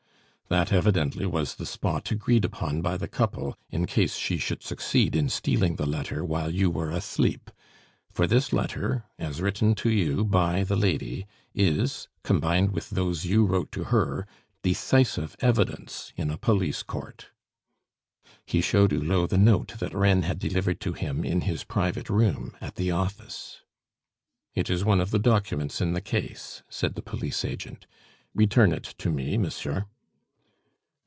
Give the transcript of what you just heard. "That evidently was the spot agreed upon by the couple, in case she should succeed in stealing the letter while you were asleep; for this letter, as written to you by the lady, is, combined with those you wrote to her, decisive evidence in a police court." He showed Hulot the note that Reine had delivered to him in his private room at the office. "It is one of the documents in the case," said the police agent; "return it to me, monsieur."